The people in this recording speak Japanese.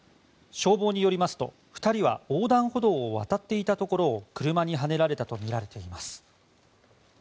消防によりますと２人は横断歩道を渡っていたところを車にはねられたとみられています。